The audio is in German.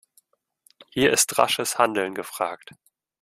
Hier ist rasches Handeln gefragt.